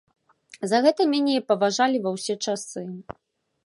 За гэта мяне і паважалі ва ўсе часы.